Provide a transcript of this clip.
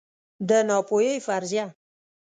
د ناپوهۍ فرضیه